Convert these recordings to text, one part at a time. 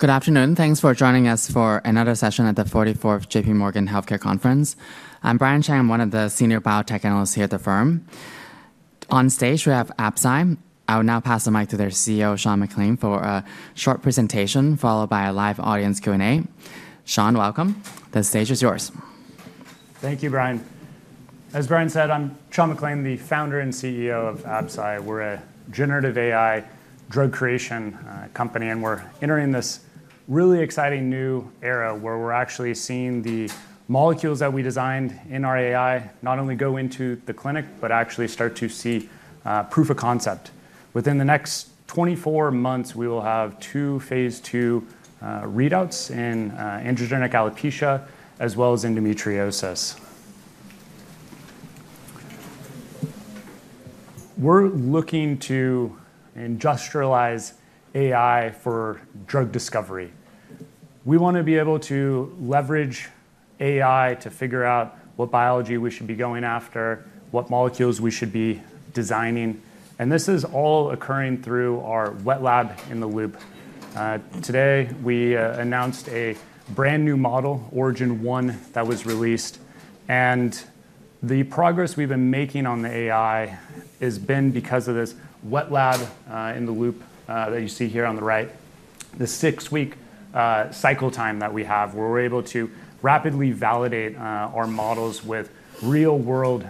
Good afternoon. Thanks for joining us for another session at the 44th JPMorgan Healthcare Conference. I'm Brian Cheng. I'm one of the senior biotech analysts here at the firm. On stage, we have Absci. I will now pass the mic to their CEO, Sean McClain, for a short presentation followed by a live audience Q&A. Sean, welcome. The stage is yours. Thank you, Brian. As Brian said, I'm Sean McClain, the founder and CEO of Absci. We're a generative AI drug creation company, and we're entering this really exciting new era where we're actually seeing the molecules that we designed in our AI not only go into the clinic, but actually start to see proof of concept. Within the next 24 months, we will have two phase II readouts in androgenic alopecia, as well as endometriosis. We're looking to industrialize AI for drug discovery. We want to be able to leverage AI to figure out what biology we should be going after, what molecules we should be designing. And this is all occurring through our wet lab in the loop. Today, we announced a brand new model, Origin-1, that was released. The progress we've been making on the AI has been because of this wet lab in the loop that you see here on the right, the six-week cycle time that we have, where we're able to rapidly validate our models with real-world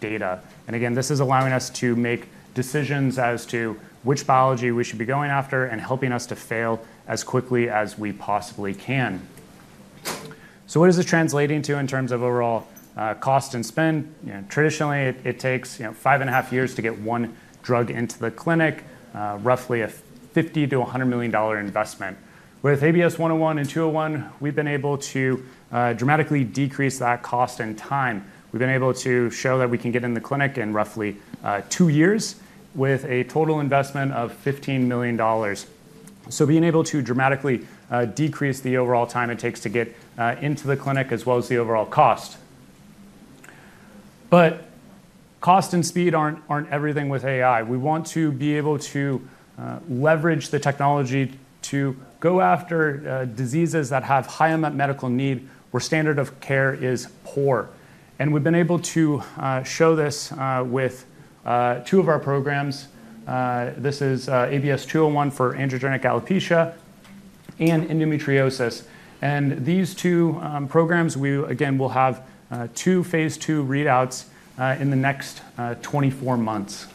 data. And again, this is allowing us to make decisions as to which biology we should be going after and helping us to fail as quickly as we possibly can. So what is this translating to in terms of overall cost and spend? Traditionally, it takes five and a half years to get one drug into the clinic, roughly a $50-$100 million investment. With ABS-101 and ABS-201, we've been able to dramatically decrease that cost and time. We've been able to show that we can get in the clinic in roughly two years, with a total investment of $15 million. So being able to dramatically decrease the overall time it takes to get into the clinic, as well as the overall cost. But cost and speed aren't everything with AI. We want to be able to leverage the technology to go after diseases that have high unmet medical need, where standard of care is poor. And we've been able to show this with two of our programs. This is ABS-201 for androgenic alopecia and endometriosis. And these two programs, we again will have two phase II readouts in the next 24 months.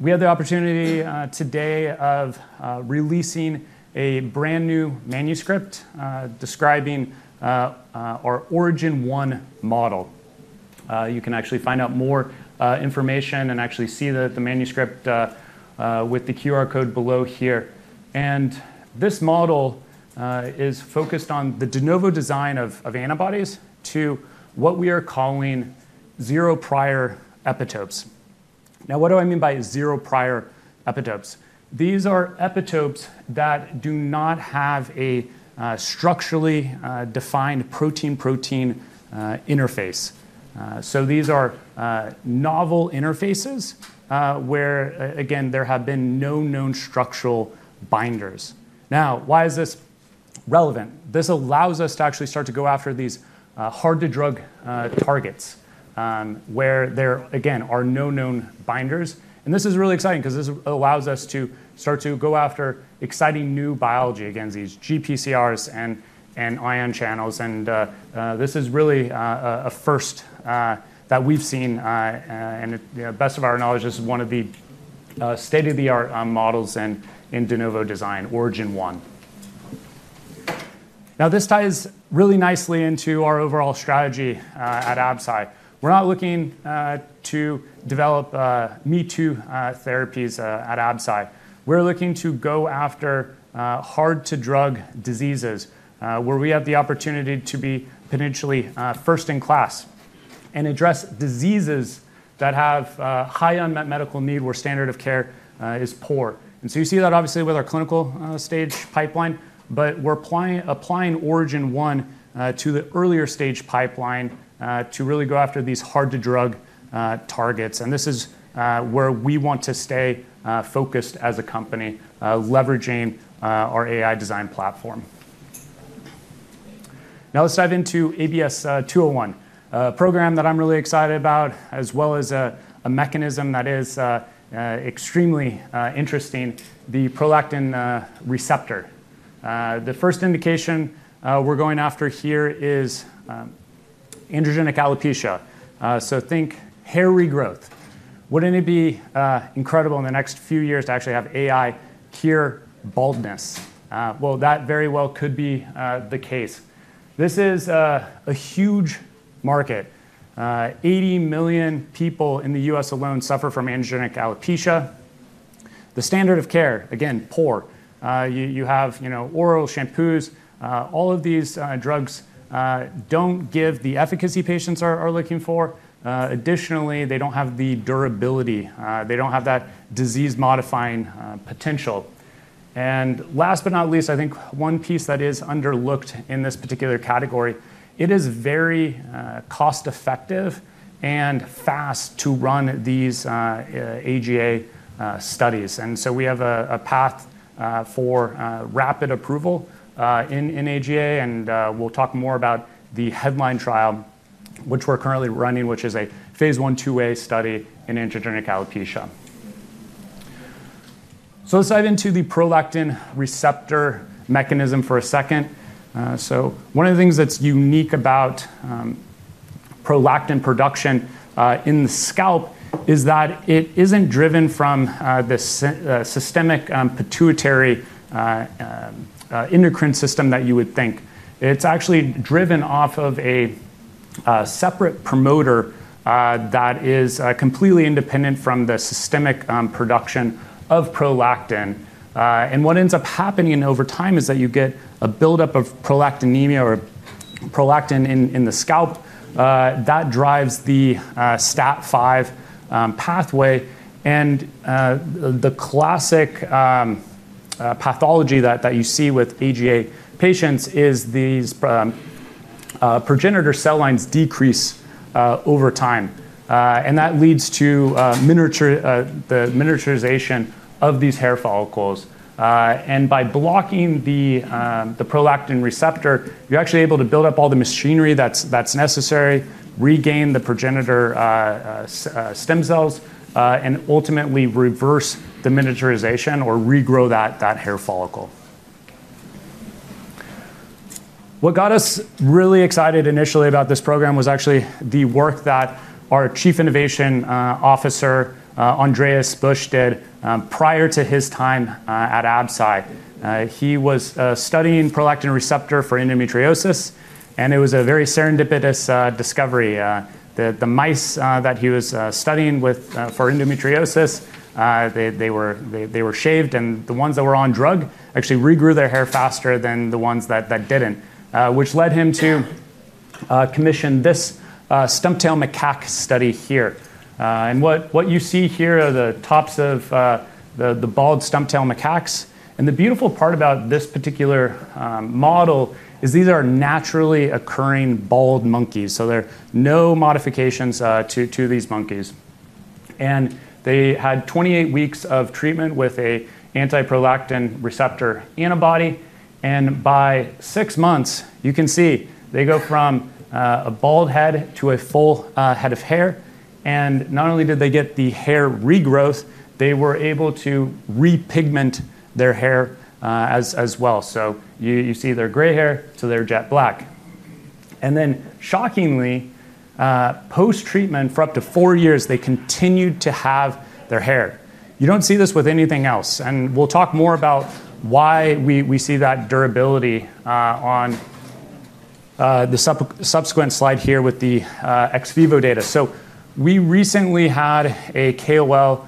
We have the opportunity today of releasing a brand new manuscript describing our Origin-1 model. You can actually find out more information and actually see the manuscript with the QR code below here. And this model is focused on the de novo design of antibodies to what we are calling zero prior epitopes. Now, what do I mean by zero prior epitopes? These are epitopes that do not have a structurally defined protein-protein interface. So these are novel interfaces where, again, there have been no known structural binders. Now, why is this relevant? This allows us to actually start to go after these hard-to-drug targets, where there, again, are no known binders, and this is really exciting because this allows us to start to go after exciting new biology against these GPCRs and ion channels, and this is really a first that we've seen, and best of our knowledge, this is one of the state-of-the-art models in de novo design, Origin-1. Now, this ties really nicely into our overall strategy at Absci. We're not looking to develop me-too therapies at Absci. We're looking to go after hard-to-drug diseases, where we have the opportunity to be potentially first in class and address diseases that have high unmet medical need, where standard of care is poor. And so you see that, obviously, with our clinical stage pipeline. But we're applying Origin-1 to the earlier stage pipeline to really go after these hard-to-drug targets. And this is where we want to stay focused as a company, leveraging our AI design platform. Now, let's dive into ABS-201, a program that I'm really excited about, as well as a mechanism that is extremely interesting, the prolactin receptor. The first indication we're going after here is androgenic alopecia. So think hair regrowth. Wouldn't it be incredible in the next few years to actually have AI cure baldness? Well, that very well could be the case. This is a huge market. 80 million people in the U.S. alone suffer from androgenic alopecia. The standard of care, again, poor. You have oral shampoos. All of these drugs don't give the efficacy patients are looking for. Additionally, they don't have the durability. They don't have that disease-modifying potential. And last but not least, I think one piece that is underlooked in this particular category, it is very cost-effective and fast to run these AGA studies. And so we have a path for rapid approval in AGA. And we'll talk more about the headline trial, which we're currently running, which is a phase I/II-A study in androgenic alopecia. So let's dive into the prolactin receptor mechanism for a second. So one of the things that's unique about prolactin production in the scalp is that it isn't driven from the systemic pituitary endocrine system that you would think. It's actually driven off of a separate promoter that is completely independent from the systemic production of prolactin. And what ends up happening over time is that you get a buildup of prolactinemia or prolactin in the scalp that drives the STAT5 pathway. And the classic pathology that you see with AGA patients is these progenitor cell lines decrease over time. And that leads to the miniaturization of these hair follicles. And by blocking the prolactin receptor, you're actually able to build up all the machinery that's necessary, regain the progenitor stem cells, and ultimately reverse the miniaturization or regrow that hair follicle. What got us really excited initially about this program was actually the work that our Chief Innovation Officer, Andreas Busch, did prior to his time at Absci. He was studying prolactin receptor for endometriosis. And it was a very serendipitous discovery. The mice that he was studying for endometriosis, they were shaved. And the ones that were on drug actually regrew their hair faster than the ones that didn't, which led him to commission this stump-tailed macaque study here. And what you see here are the tops of the bald stump-tailed macaques. And the beautiful part about this particular model is these are naturally occurring bald monkeys. So there are no modifications to these monkeys. And they had 28 weeks of treatment with an anti-prolactin receptor antibody. And by six months, you can see they go from a bald head to a full head of hair. And not only did they get the hair regrowth, they were able to repigment their hair as well. So you see their gray hair, so they're jet black. And then, shockingly, post-treatment for up to four years, they continued to have their hair. You don't see this with anything else. And we'll talk more about why we see that durability on the subsequent slide here with the ex vivo data. So we recently had a KOL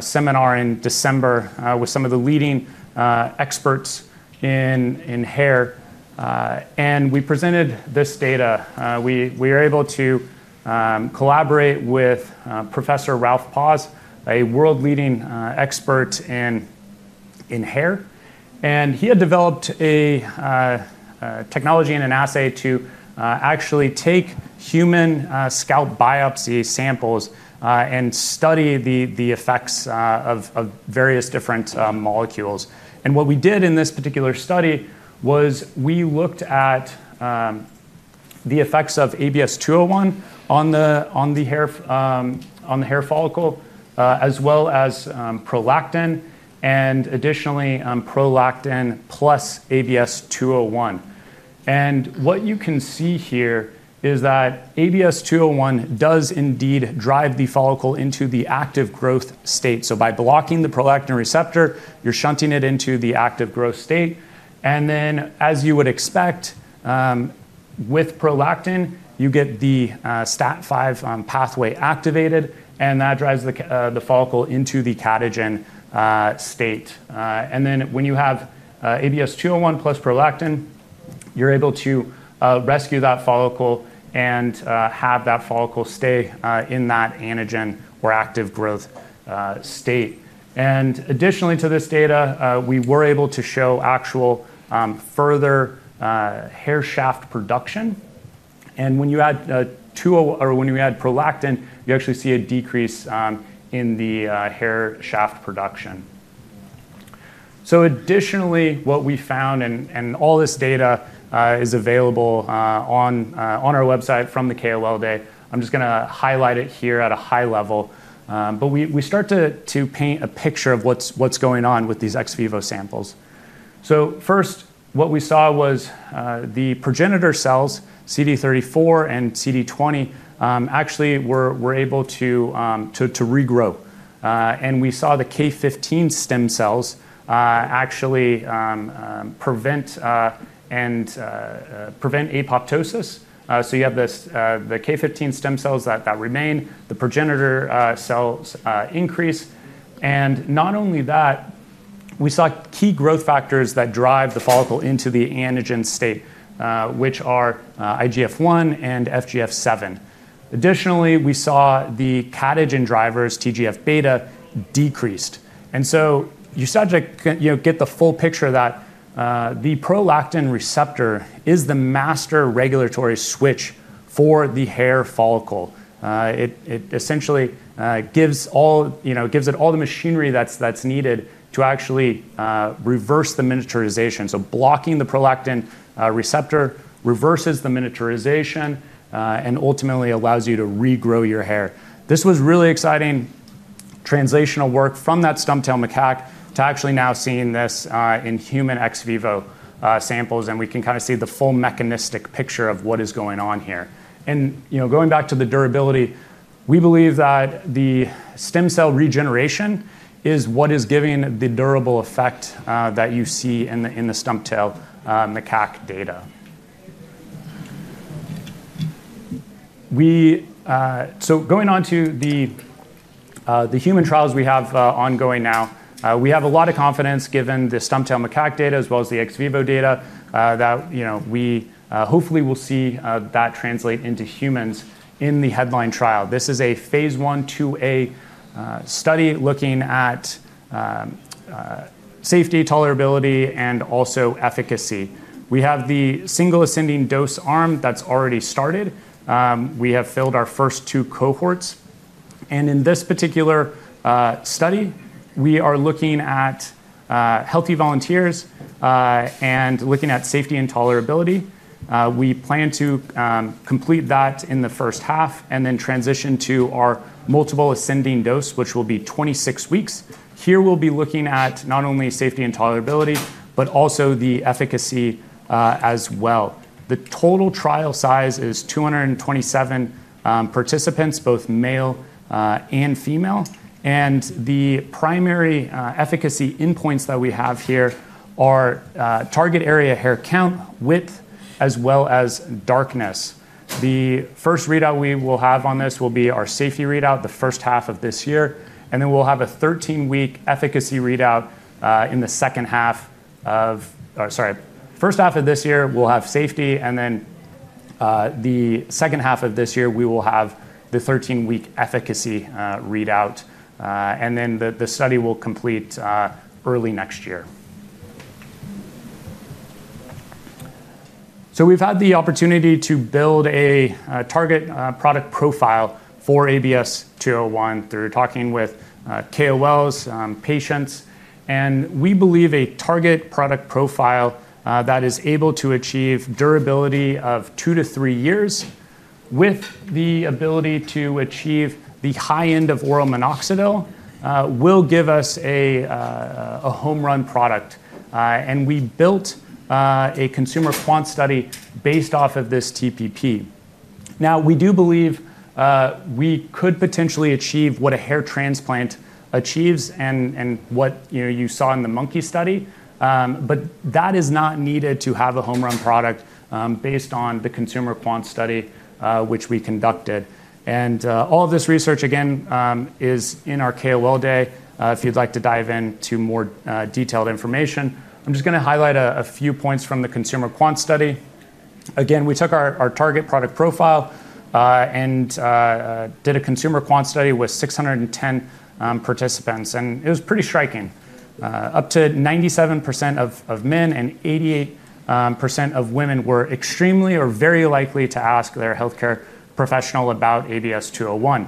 seminar in December with some of the leading experts in hair. And we presented this data. We were able to collaborate with Professor Ralf Paus, a world-leading expert in hair. And he had developed a technology and an assay to actually take human scalp biopsy samples and study the effects of various different molecules. And what we did in this particular study was we looked at the effects of ABS-201 on the hair follicle, as well as prolactin, and additionally prolactin plus ABS-201. And what you can see here is that ABS-201 does indeed drive the follicle into the active growth state. So by blocking the prolactin receptor, you're shunting it into the active growth state. And then, as you would expect, with prolactin, you get the STAT5 pathway activated. And that drives the follicle into the catagen state. And then, when you have ABS-201 plus prolactin, you're able to rescue that follicle and have that follicle stay in that anagen or active growth state. And additionally to this data, we were able to show actual further hair shaft production. And when you add prolactin, you actually see a decrease in the hair shaft production. So additionally, what we found, and all this data is available on our website from the KOL day. I'm just going to highlight it here at a high level. But we start to paint a picture of what's going on with these ex vivo samples. First, what we saw was the progenitor cells, CD34 and CD20, actually were able to regrow. We saw the K15 stem cells actually prevent apoptosis. You have the K15 stem cells that remain, the progenitor cells increase. Not only that, we saw key growth factors that drive the follicle into the anagen state, which are IGF-1 and FGF-7. Additionally, we saw the catagen drivers, TGF-β, decreased. You start to get the full picture that the prolactin receptor is the master regulatory switch for the hair follicle. It essentially gives it all the machinery that's needed to actually reverse the miniaturization. Blocking the prolactin receptor reverses the miniaturization and ultimately allows you to regrow your hair. This was really exciting translational work from that stump-tailed macaque to actually now seeing this in human ex vivo samples. We can kind of see the full mechanistic picture of what is going on here. Going back to the durability, we believe that the stem cell regeneration is what is giving the durable effect that you see in the stump-tailed macaque data. Going on to the human trials we have ongoing now, we have a lot of confidence given the stump-tailed macaque data, as well as the ex vivo data, that we hopefully will see that translate into humans in the headline trial. This is a phase I/II-A study looking at safety, tolerability, and also efficacy. We have the single ascending dose arm that's already started. We have filled our first two cohorts. In this particular study, we are looking at healthy volunteers and looking at safety and tolerability. We plan to complete that in the first half and then transition to our multiple ascending dose, which will be 26 weeks. Here, we'll be looking at not only safety and tolerability, but also the efficacy as well. The total trial size is 227 participants, both male and female. And the primary efficacy endpoints that we have here are target area hair count, width, as well as darkness. The first readout we will have on this will be our safety readout the first half of this year. And then we'll have a 13-week efficacy readout in the second half of, or sorry, first half of this year, we'll have safety. And then the second half of this year, we will have the 13-week efficacy readout. And then the study will complete early next year. So we've had the opportunity to build a target product profile for ABS-201 through talking with KOLs, patients. And we believe a target product profile that is able to achieve durability of two to three years, with the ability to achieve the high end of oral minoxidil, will give us a home run product. And we built a consumer quant study based off of this TPP. Now, we do believe we could potentially achieve what a hair transplant achieves and what you saw in the monkey study. But that is not needed to have a home run product based on the consumer quant study which we conducted. And all of this research, again, is in our KOL Day. If you'd like to dive into more detailed information, I'm just going to highlight a few points from the consumer quant study. Again, we took our target product profile and did a consumer quant study with 610 participants. And it was pretty striking. Up to 97% of men and 88% of women were extremely or very likely to ask their health care professional about ABS-201.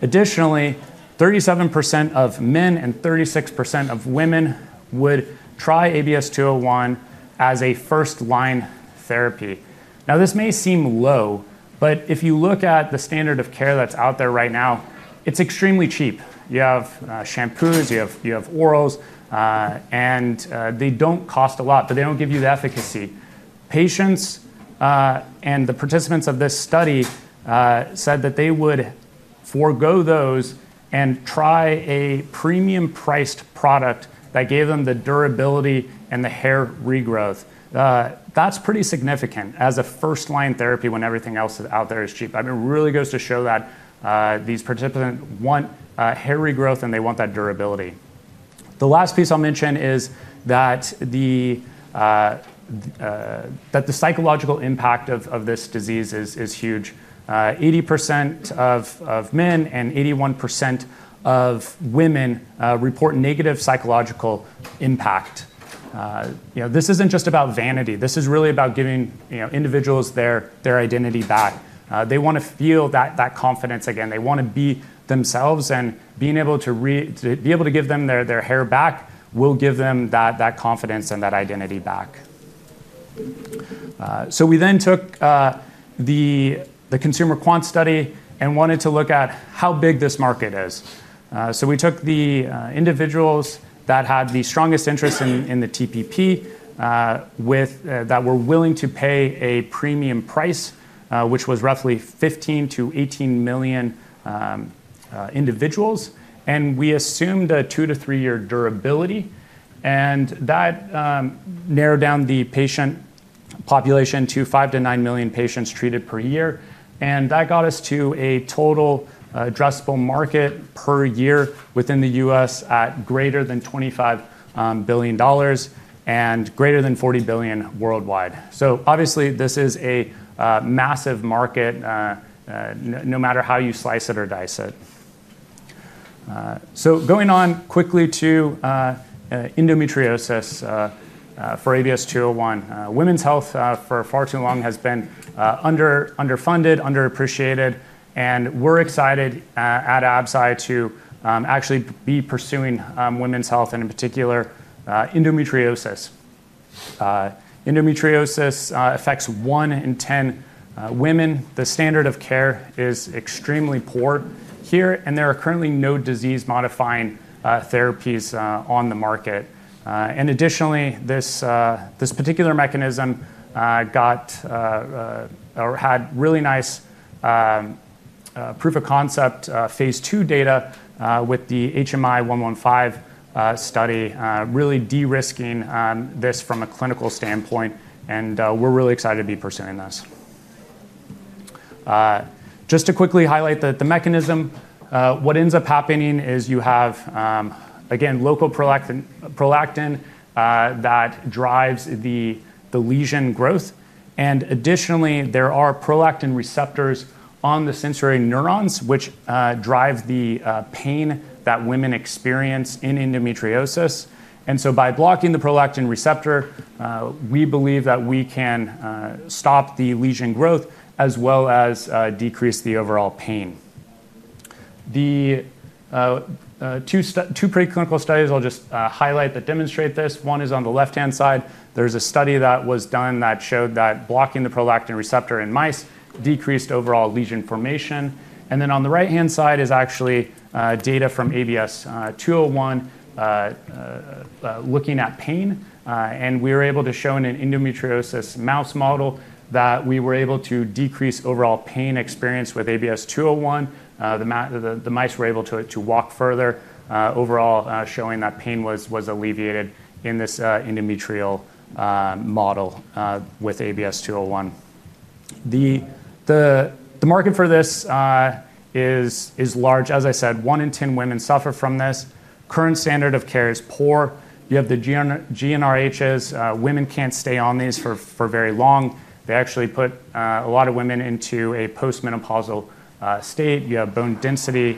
Additionally, 37% of men and 36% of women would try ABS-201 as a first-line therapy. Now, this may seem low. But if you look at the standard of care that's out there right now, it's extremely cheap. You have shampoos, you have orals, and they don't cost a lot. But they don't give you the efficacy. Patients and the participants of this study said that they would forgo those and try a premium-priced product that gave them the durability and the hair regrowth. That's pretty significant as a first-line therapy when everything else out there is cheap. I mean, it really goes to show that these participants want hair regrowth and they want that durability. The last piece I'll mention is that the psychological impact of this disease is huge. 80% of men and 81% of women report negative psychological impact. This isn't just about vanity. This is really about giving individuals their identity back. They want to feel that confidence again. They want to be themselves. And being able to give them their hair back will give them that confidence and that identity back. So we then took the consumer quant study and wanted to look at how big this market is. So we took the individuals that had the strongest interest in the TPP that were willing to pay a premium price, which was roughly 15-18 million individuals. And we assumed a two-to-three-year durability. And that narrowed down the patient population to five to nine million patients treated per year. And that got us to a total addressable market per year within the U.S. at greater than $25 billion and greater than $40 billion worldwide. So obviously, this is a massive market no matter how you slice it or dice it. So going on quickly to endometriosis for ABS-201. Women's health for far too long has been underfunded, underappreciated. And we're excited at Absci to actually be pursuing women's health and, in particular, endometriosis. Endometriosis affects 1 in 10 women. The standard of care is extremely poor here. And there are currently no disease-modifying therapies on the market. And additionally, this particular mechanism had really nice proof of concept phase II data with the HMI-115 study, really de-risking this from a clinical standpoint. And we're really excited to be pursuing this. Just to quickly highlight the mechanism, what ends up happening is you have, again, local prolactin that drives the lesion growth. And additionally, there are prolactin receptors on the sensory neurons, which drive the pain that women experience in endometriosis. And so by blocking the prolactin receptor, we believe that we can stop the lesion growth as well as decrease the overall pain. The two preclinical studies I'll just highlight that demonstrate this. One is on the left-hand side. There's a study that was done that showed that blocking the prolactin receptor in mice decreased overall lesion formation. And then on the right-hand side is actually data from ABS-201 looking at pain. And we were able to show in an endometriosis mouse model that we were able to decrease overall pain experience with ABS-201. The mice were able to walk further, overall showing that pain was alleviated in this endometriosis model with ABS-201. The market for this is large. As I said, 1 in 10 women suffer from this. Current standard of care is poor. You have the GnRHs. Women can't stay on these for very long. They actually put a lot of women into a postmenopausal state. You have bone density,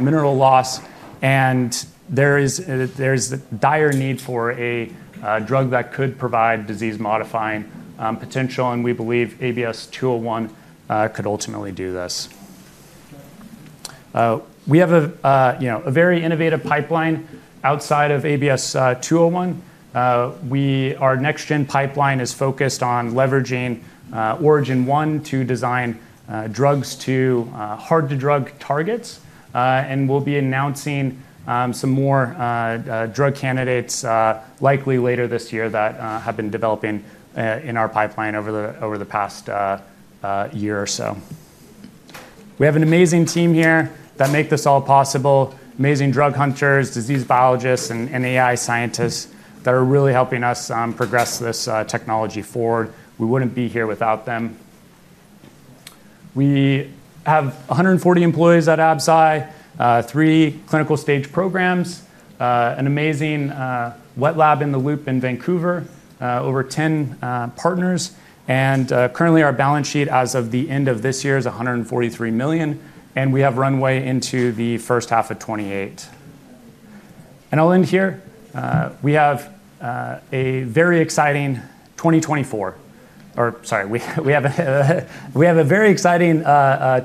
mineral loss. And there is the dire need for a drug that could provide disease-modifying potential. And we believe ABS-201 could ultimately do this. We have a very innovative pipeline outside of ABS-201. Our next-gen pipeline is focused on leveraging Origin-1 to design drugs to hard-to-drug targets. And we'll be announcing some more drug candidates likely later this year that have been developing in our pipeline over the past year or so. We have an amazing team here that make this all possible: amazing drug hunters, disease biologists, and AI scientists that are really helping us progress this technology forward. We wouldn't be here without them. We have 140 employees at Absci, three clinical stage programs, an amazing wet lab in the loop in Vancouver, over 10 partners. Currently, our balance sheet as of the end of this year is $143 million. We have runway into the first half of 2028. I'll end here. We have a very exciting 2024. Or sorry, we have a very exciting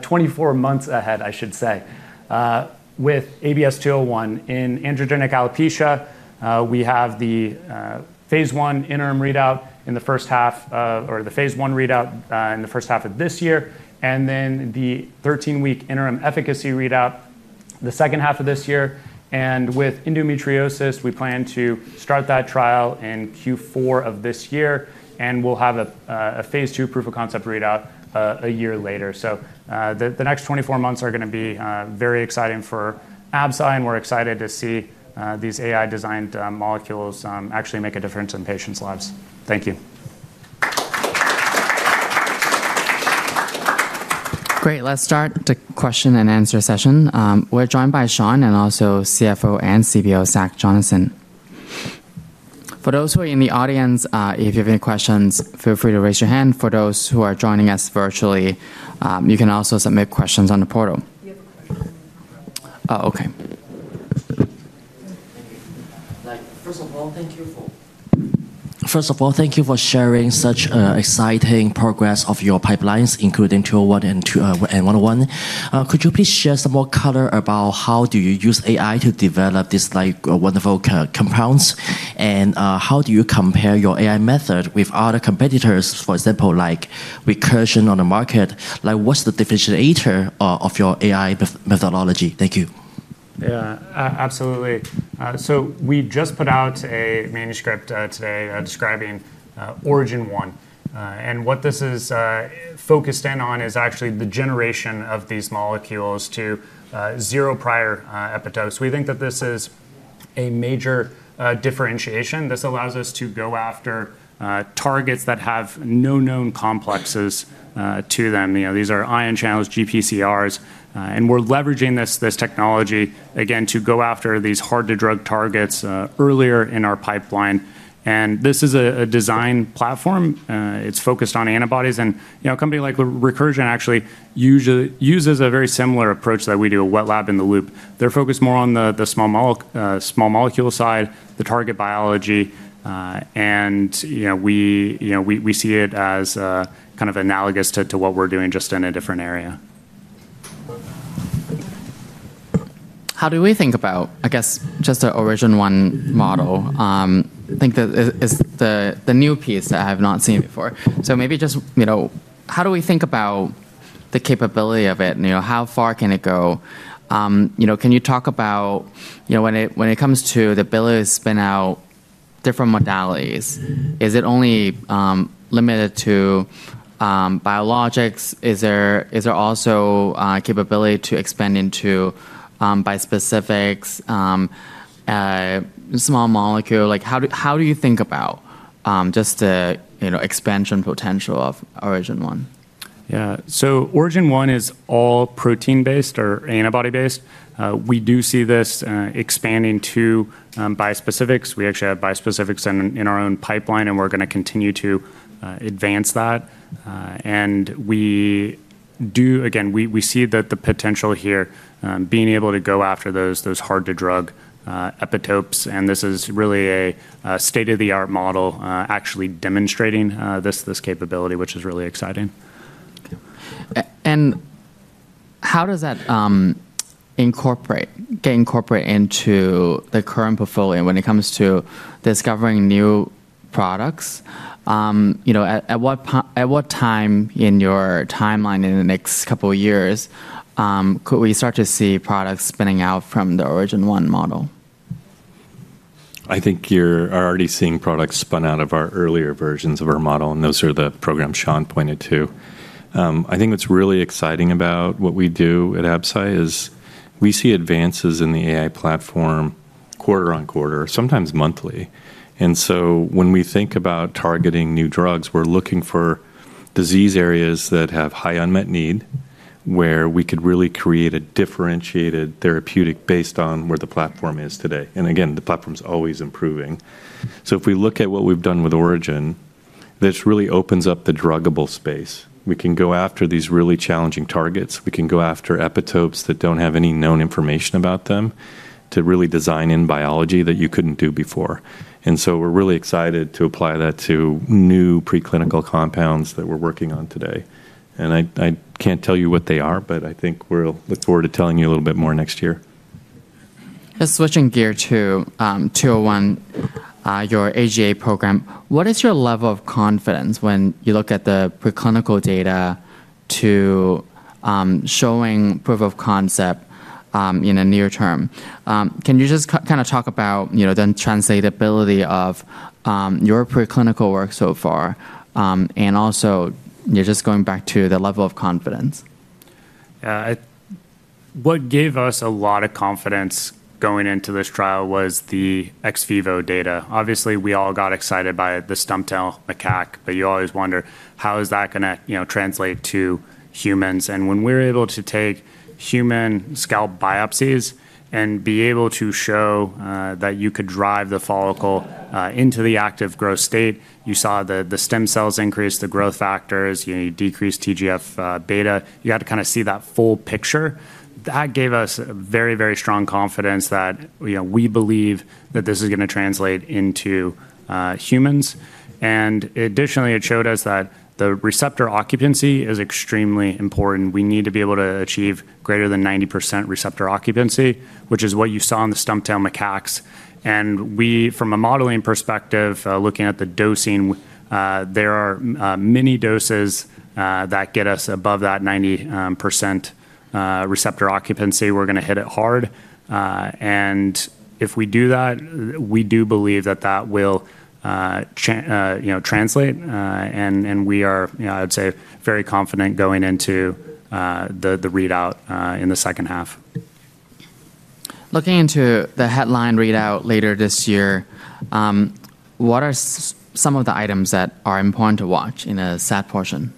24 months ahead, I should say, with ABS-201. In androgenic alopecia, we have the phase I interim readout in the first half, or the phase I readout in the first half of this year. Then the 13-week interim efficacy readout the second half of this year. And with endometriosis, we plan to start that trial in Q4 of this year. And we'll have a phase II proof of concept readout a year later. So the next 24 months are going to be very exciting for Absci. And we're excited to see these AI-designed molecules actually make a difference in patients' lives. Thank you. Great. Let's start the question and answer session. We're joined by Sean and also CFO and CBO Zach Jonasson. For those who are in the audience, if you have any questions, feel free to raise your hand. For those who are joining us virtually, you can also submit questions on the portal. Oh, OK. First of all, thank you for sharing such exciting progress of your pipelines, including 201 and 101. Could you please share some more color about how do you use AI to develop these wonderful compounds? And how do you compare your AI method with other competitors, for example, like Recursion on the market? What's the differentiator of your AI methodology? Thank you. Yeah, absolutely. So we just put out a manuscript today describing Origin-1. And what this is focused in on is actually the generation of these molecules to zero prior epitopes. We think that this is a major differentiation. This allows us to go after targets that have no known complexes to them. These are ion channels, GPCRs. And we're leveraging this technology, again, to go after these hard-to-drug targets earlier in our pipeline. And this is a design platform. It's focused on antibodies. And a company like Recursion actually uses a very similar approach that we do, a wet lab in the loop. They're focused more on the small molecule side, the target biology. And we see it as kind of analogous to what we're doing just in a different area. How do we think about, I guess, just the Origin-1 model? I think that is the new piece that I have not seen before. So maybe just how do we think about the capability of it? How far can it go? Can you talk about when it comes to the ability to spin out different modalities, is it only limited to biologics? Is there also capability to expand into bispecifics, small molecule? How do you think about just the expansion potential of Origin-1? Yeah, so Origin-1 is all protein-based or antibody-based. We do see this expanding to bispecifics. We actually have bispecifics in our own pipeline, and we're going to continue to advance that, and again, we see the potential here, being able to go after those hard-to-drug epitopes, and this is really a state-of-the-art model actually demonstrating this capability, which is really exciting. How does that incorporate into the current portfolio when it comes to discovering new products? At what time in your timeline in the next couple of years could we start to see products spinning out from the Origin-1 model? I think you are already seeing products spun out of our earlier versions of our model, and those are the programs Sean pointed to. I think what's really exciting about what we do at Absci is we see advances in the AI platform quarter on quarter, sometimes monthly, and so when we think about targeting new drugs, we're looking for disease areas that have high unmet need where we could really create a differentiated therapeutic based on where the platform is today, and again, the platform's always improving, so if we look at what we've done with Origin, this really opens up the druggable space. We can go after these really challenging targets. We can go after epitopes that don't have any known information about them to really design in biology that you couldn't do before. We're really excited to apply that to new preclinical compounds that we're working on today. And I can't tell you what they are. But I think we'll look forward to telling you a little bit more next year. Just switching gear to 201, your AGA program, what is your level of confidence when you look at the preclinical data to showing proof of concept in a near term? Can you just kind of talk about the translatability of your preclinical work so far, and also just going back to the level of confidence. Yeah. What gave us a lot of confidence going into this trial was the ex vivo data. Obviously, we all got excited by the stump-tailed macaque. But you always wonder, how is that going to translate to humans, and when we were able to take human scalp biopsies and be able to show that you could drive the follicle into the active growth state, you saw the stem cells increase, the growth factors, decreased TGF-beta. You had to kind of see that full picture. That gave us very, very strong confidence that we believe that this is going to translate into humans, and additionally, it showed us that the receptor occupancy is extremely important. We need to be able to achieve greater than 90% receptor occupancy, which is what you saw in the stump-tailed macaques. And we, from a modeling perspective, looking at the dosing, there are many doses that get us above that 90% receptor occupancy. We're going to hit it hard. And if we do that, we do believe that that will translate. And we are, I'd say, very confident going into the readout in the second half. Looking into the headline readout later this year, what are some of the items that are important to watch in the SAD portion?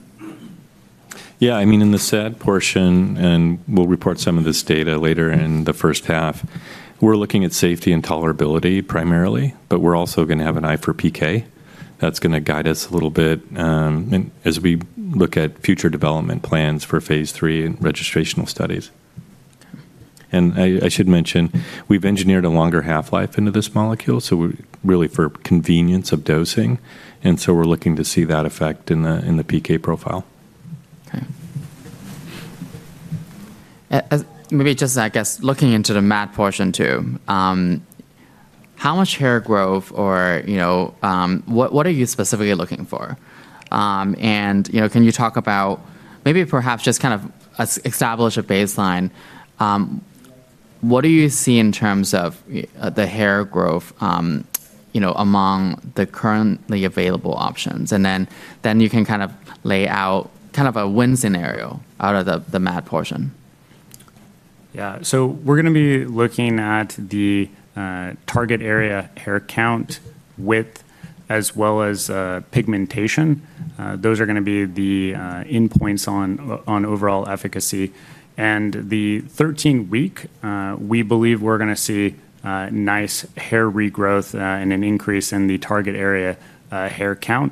Yeah. I mean, in the SAD portion, and we'll report some of this data later in the first half, we're looking at safety and tolerability primarily, but we're also going to have an eye for PK. That's going to guide us a little bit as we look at future development plans for phase III and registrational studies, and I should mention, we've engineered a longer half-life into this molecule, really for convenience of dosing, and so we're looking to see that effect in the PK profile. OK. Maybe just, I guess, looking into the MAD portion too, how much hair growth, or what are you specifically looking for? And can you talk about maybe perhaps just kind of establish a baseline? What do you see in terms of the hair growth among the currently available options? And then you can kind of lay out kind of a win scenario out of the MAD portion. Yeah. So we're going to be looking at the target area hair count, width, as well as pigmentation. Those are going to be the endpoints on overall efficacy. The 13-week, we believe we're going to see nice hair regrowth and an increase in the target area hair count.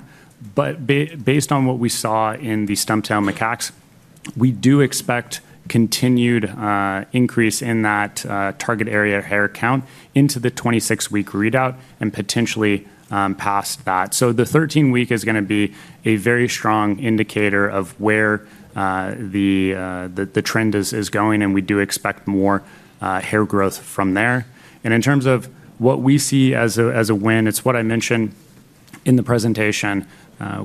Based on what we saw in the stump-tailed macaques, we do expect continued increase in that target area hair count into the 26-week readout and potentially past that. The 13-week is going to be a very strong indicator of where the trend is going. We do expect more hair growth from there. In terms of what we see as a win, it's what I mentioned in the presentation.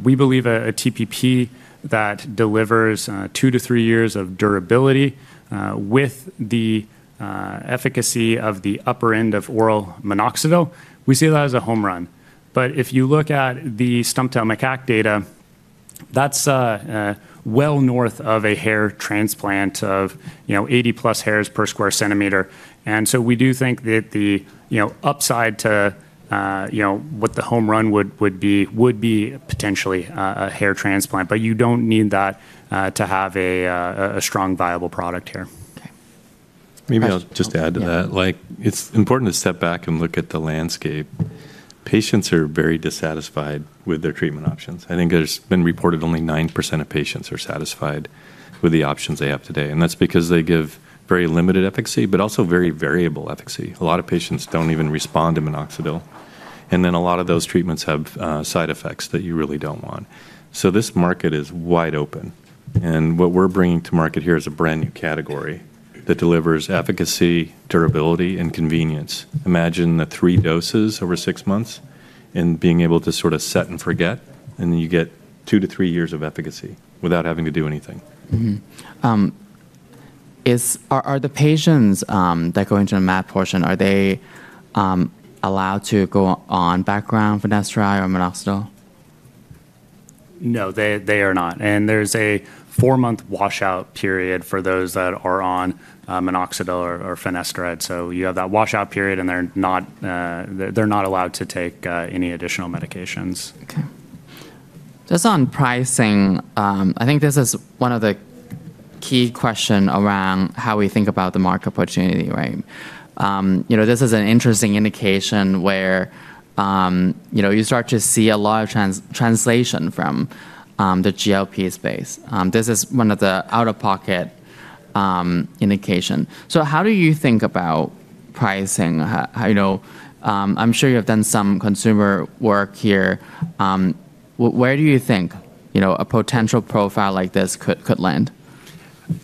We believe a TPP that delivers 2-3 years of durability with the efficacy of the upper end of oral minoxidil, we see that as a home run. But if you look at the stump-tailed macaque data, that's well north of a hair transplant of 80+ hairs per square centimeter. And so we do think that the upside to what the home run would be would be potentially a hair transplant. But you don't need that to have a strong, viable product here. Maybe I'll just add to that. It's important to step back and look at the landscape. Patients are very dissatisfied with their treatment options. I think there's been reported only 9% of patients are satisfied with the options they have today. And that's because they give very limited efficacy but also very variable efficacy. A lot of patients don't even respond to minoxidil. And then a lot of those treatments have side effects that you really don't want. So this market is wide open. And what we're bringing to market here is a brand new category that delivers efficacy, durability, and convenience. Imagine the three doses over six months and being able to sort of set and forget. And then you get two to three years of efficacy without having to do anything. Are the patients that go into the MAD portion, are they allowed to go on background finasteride or minoxidil? No, they are not. And there's a four-month washout period for those that are on minoxidil or finasteride. So you have that washout period. And they're not allowed to take any additional medications. Just on pricing, I think this is one of the key questions around how we think about the market opportunity, right? This is an interesting indication where you start to see a lot of translation from the GLP space. This is one of the out-of-pocket indications. So how do you think about pricing? I'm sure you have done some consumer work here. Where do you think a potential profile like this could land?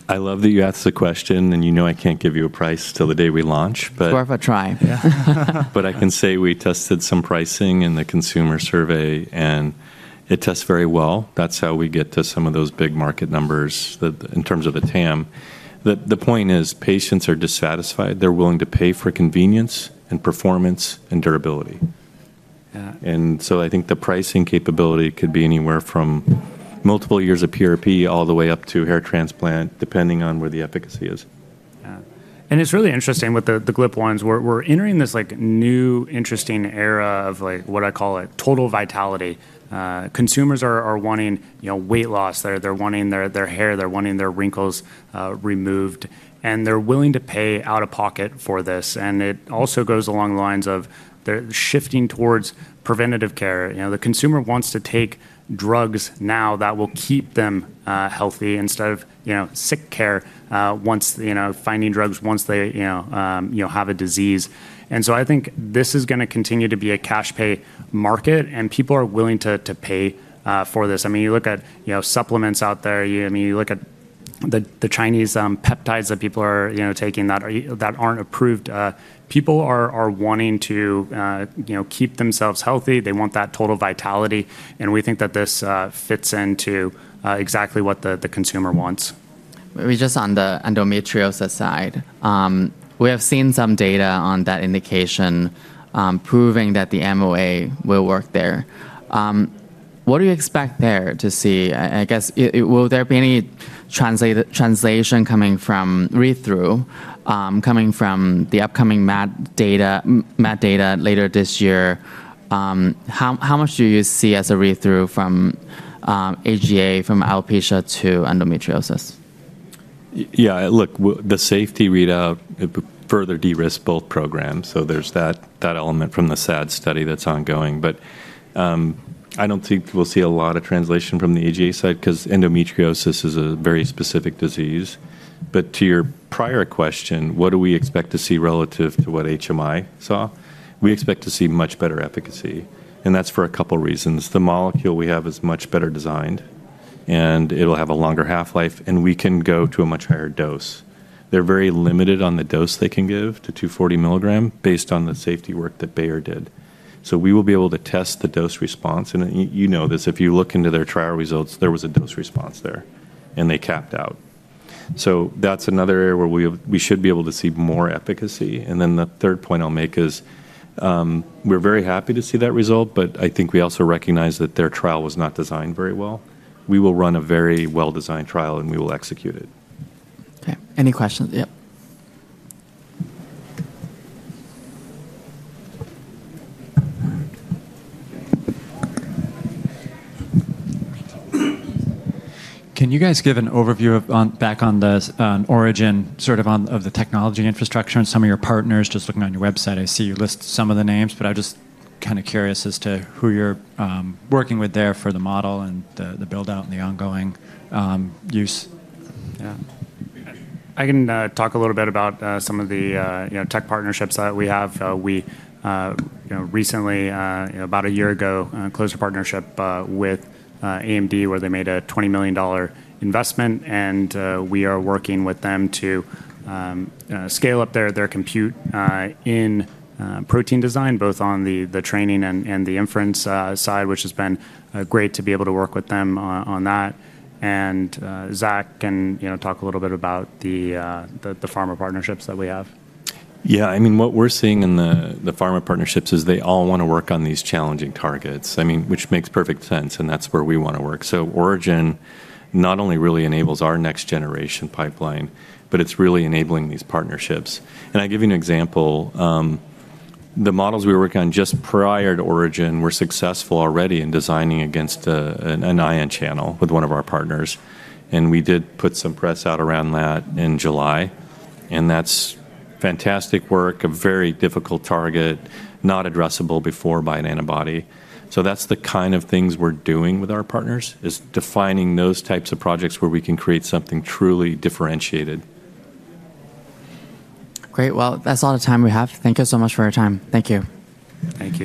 I love that you asked the question, and you know I can't give you a price till the day we launch. Worth a try. But I can say we tested some pricing in the consumer survey. And it tests very well. That's how we get to some of those big market numbers in terms of the TAM. The point is patients are dissatisfied. They're willing to pay for convenience and performance and durability. And so I think the pricing capability could be anywhere from multiple years of PRP all the way up to hair transplant, depending on where the efficacy is. Yeah. And it's really interesting with the GLP-1s. We're entering this new, interesting era of what I call total vitality. Consumers are wanting weight loss. They're wanting their hair. They're wanting their wrinkles removed. And they're willing to pay out of pocket for this. And it also goes along the lines of they're shifting towards preventative care. The consumer wants to take drugs now that will keep them healthy instead of sick care finding drugs once they have a disease. And so I think this is going to continue to be a cash-pay market. And people are willing to pay for this. I mean, you look at supplements out there. I mean, you look at the Chinese peptides that people are taking that aren't approved. People are wanting to keep themselves healthy. They want that total vitality. And we think that this fits into exactly what the consumer wants. Maybe just on the endometriosis side, we have seen some data on that indication proving that the MOA will work there. What do you expect to see there? I guess, will there be any translation coming from read-through from the upcoming MAD data later this year? How much do you see as a read-through from AGA from alopecia to endometriosis? Yeah. Look, the safety readout further de-risked both programs. So there's that element from the SAD study that's ongoing. But I don't think we'll see a lot of translation from the AGA side because endometriosis is a very specific disease. But to your prior question, what do we expect to see relative to what HMI saw? We expect to see much better efficacy. And that's for a couple of reasons. The molecule we have is much better designed. And it'll have a longer half-life. And we can go to a much higher dose. They're very limited on the dose they can give to 240 milligrams based on the safety work that Bayer did. So we will be able to test the dose response. And you know this. If you look into their trial results, there was a dose response there. And they capped out. So that's another area where we should be able to see more efficacy. And then the third point I'll make is we're very happy to see that result. But I think we also recognize that their trial was not designed very well. We will run a very well-designed trial. And we will execute it. OK. Any questions? Yep. Can you guys give an overview back on the origin sort of the technology infrastructure and some of your partners? Just looking on your website, I see you list some of the names. But I'm just kind of curious as to who you're working with there for the model and the build-out and the ongoing use. Yeah. I can talk a little bit about some of the tech partnerships that we have. We recently, about a year ago, closed a partnership with AMD, where they made a $20 million investment. And we are working with them to scale up their compute in protein design, both on the training and the inference side, which has been great to be able to work with them on that. And Zach can talk a little bit about the pharma partnerships that we have. Yeah. I mean, what we're seeing in the pharma partnerships is they all want to work on these challenging targets, which makes perfect sense. And that's where we want to work. So Origin not only really enables our next-generation pipeline, but it's really enabling these partnerships. And I'll give you an example. The models we were working on just prior to Origin were successful already in designing against an ion channel with one of our partners. And we did put some press out around that in July. And that's fantastic work, a very difficult target, not addressable before by an antibody. So that's the kind of things we're doing with our partners is defining those types of projects where we can create something truly differentiated. Great. Well, that's all the time we have. Thank you so much for your time. Thank you. Thank you.